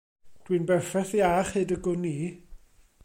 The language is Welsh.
Dw i'n berffaith iach hyd y gwn i.